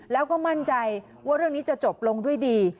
แล้วก็มั่นใจว่าเรื่องนี้จะจบลงด้วยดี